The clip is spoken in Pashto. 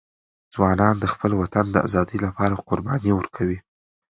ځوانان د خپل وطن د ازادۍ لپاره قرباني ورکوي.